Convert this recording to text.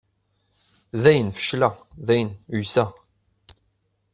Dayen fecleɣ, dayen uyseɣ.